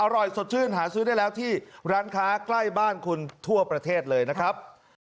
อร่อยสดชื่นหาซื้อได้แล้วที่ร้านค้าใกล้บ้านคุณทั่วประเทศเลยนะครับ